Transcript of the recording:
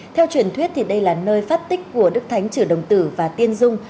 theo truyền thuyết thì đây là nơi phát tích của đức thánh chử đồng tử và tiên dung